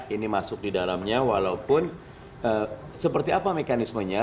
ini masuk di dalamnya walaupun seperti apa mekanismenya